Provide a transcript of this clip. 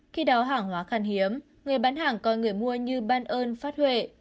khi đó hàng hóa khan hiếm người bán hàng coi người mua như ban ơn phát huệ